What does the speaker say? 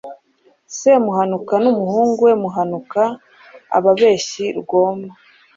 Semuhanuka n’umuhungu we Muhanuka, ababeshyi rwoma